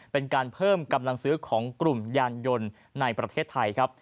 เป็นการเพิ่มกำลังซื้อของกลุ่มยานยนต์ในประเทศไทยครับ